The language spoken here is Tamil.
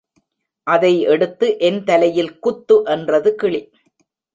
அதை எடுத்து என் தலையில் குத்து என்றது கிளி.